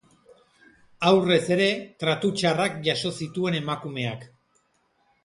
Aurrez ere tratu txarrak jaso zituen emakumeak.